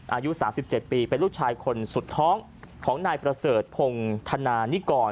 อายุ๓๗ปีเป็นลูกชายคนสุดท้องของนายประเสริฐพงธนานิกร